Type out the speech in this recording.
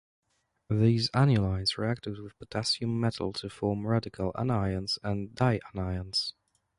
These annulynes reacted with potassium metal to form radical anions and dianions.